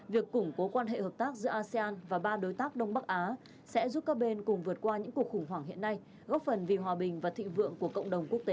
việc củng cố quan hệ hợp tác giữa asean và ba đối tác đông bắc á sẽ giúp các bên cùng vượt qua những cuộc khủng hoảng hiện nay góp phần vì hòa bình và thịnh vượng của cộng đồng quốc tế